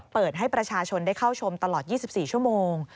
เปิดให้ประชาชนได้เข้าชมตลอด๒๔ชั่วโมง